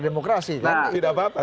demokrasi tidak apa apa